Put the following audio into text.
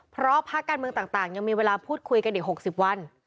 เพราะภาคการเมืองต่างยังมีเวลาพูดคุยกันอีก๖๐วัน